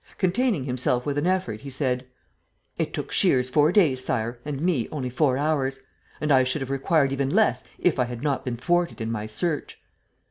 Containing himself with an effort, he said: "It took Shears four days, Sire, and me only four hours. And I should have required even less, if I had not been thwarted in my search."